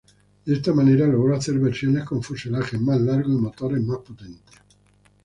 De esta manera logró hacer versiones con fuselaje más largo y motores más potentes.